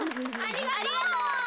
ありがとう。